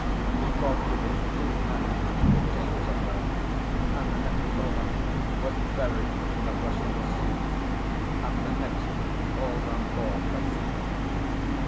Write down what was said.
He caught with his two hands in the chains of her, and the next moment was buried in the rushing seas, and the next hauled on board by seamen.